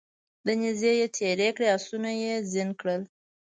نیزې یې تیرې کړې اسونه یې زین کړل